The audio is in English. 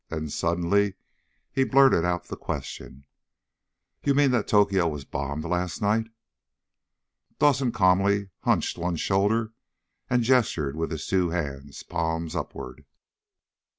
Then suddenly he blurted out the question. "You mean that Tokyo was bombed last night?" Dawson calmly hunched one shoulder and gestured with his two hands, palms upward.